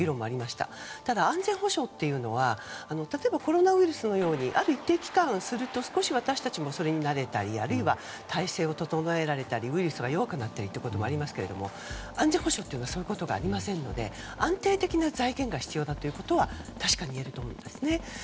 ただ、安全保障というのは例えばコロナウイルスのようにある一定期間すると私たちもそれに慣れたりあるいは体制を整えられたりウイルスが弱くなるということもありますが安全保障というのはそういうことがありませんので安定的な財源が必要だということは確かにいえると思います。